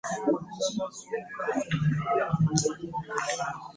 Jangu tulye ffenna emmere.